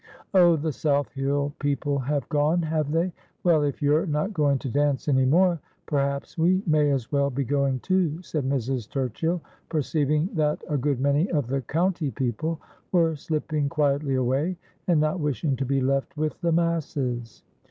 ' Oh, the South Hill people have gone, have they ? Well, if you're not going to dance any more perhaps we may as well be going too,' said Mrs. Turchill, perceiving that a good many of the county people were slipping quietly away, and not wishing to be left with the masses.